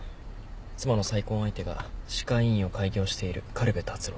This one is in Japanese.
妻の再婚相手が歯科医院を開業している苅部達郎。